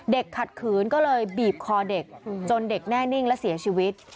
ขัดขืนก็เลยบีบคอเด็กจนเด็กแน่นิ่งและเสียชีวิต